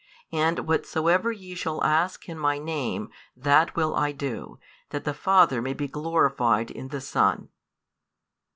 And whatsoever ye shall ask in My Name, that will I do, that the Father may be glorified in the Son.